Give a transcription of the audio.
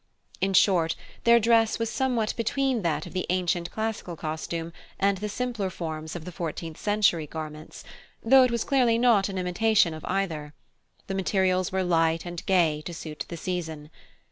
In short, their dress was somewhat between that of the ancient classical costume and the simpler forms of the fourteenth century garments, though it was clearly not an imitation of either: the materials were light and gay to suit the season.